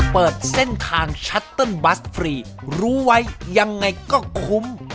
เปิดเส้นทางชัตเติ้ลบัสฟรีรู้ไว้ยังไงก็คุ้ม